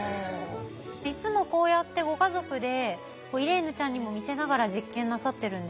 いつもこうやってご家族でイレーヌちゃんにも見せながら実験なさってるんですか？